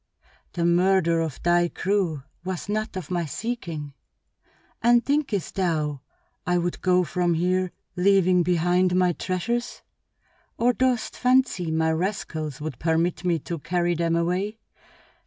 "The murder of thy crew was not of my seeking. And thinkest thou I would go from here leaving behind my treasures? Or dost fancy my rascals would permit me to carry them away?